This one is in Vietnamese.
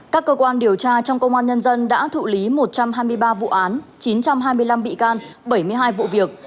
các cơ quan điều tra trong công an nhân dân đã thụ lý một trăm hai mươi ba vụ án chín trăm hai mươi năm bị can bảy mươi hai vụ việc